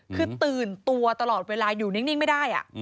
คือตื่นตัวตลอดเวลาอยู่นิ่งไม่ได้